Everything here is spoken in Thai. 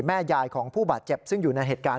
แม่ยายของผู้บาดเจ็บซึ่งอยู่ในเหตุการณ์